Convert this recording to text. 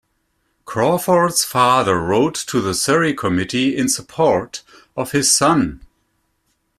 Crawford's father wrote to the Surrey committee in support of his son.